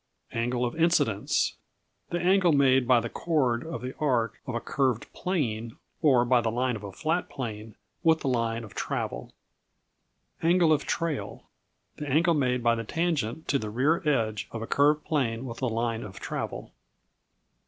Angle of Incidence The angle made by the chord of the arc of a curved "plane," or by the line of a flat plane, with the line of travel. Angle of Trail The angle made by the tangent to the rear edge of a curved plane with the line of travel.